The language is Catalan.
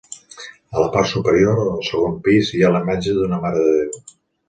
A la part superior, al segon pis hi ha la imatge d'una Mare de Déu.